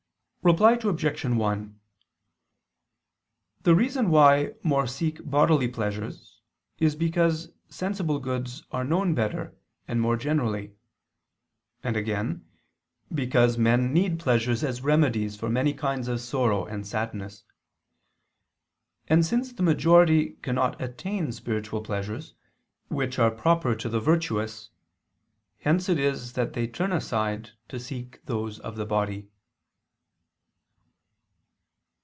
Reply Obj. 1: The reason why more seek bodily pleasures is because sensible goods are known better and more generally: and, again, because men need pleasures as remedies for many kinds of sorrow and sadness: and since the majority cannot attain spiritual pleasures, which are proper to the virtuous, hence it is that they turn aside to seek those of the body.